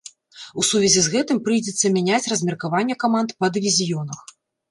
У сувязі з гэтым прыйдзецца мяняць размеркаванне каманд па дывізіёнах.